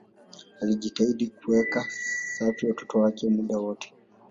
anajitahidi kuwaweka safi watoto wake muda wote